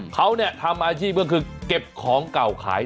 เขาทำอาชีพก็คือเก็บของเก่าขาย